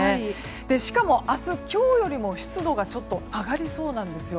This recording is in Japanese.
しかも明日、今日よりも湿度がちょっと上がりそうなんですよ。